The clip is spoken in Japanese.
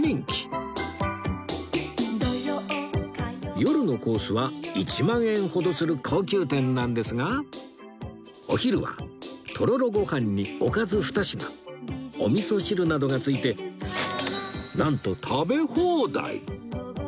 夜のコースは１万円ほどする高級店なんですがお昼はとろろごはんにおかず２品おみそ汁などが付いてなんと食べ放題